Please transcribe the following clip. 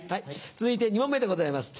続いて２問目でございます。